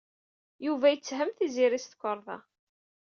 Yuba yetthem Tiziri s tukerḍa.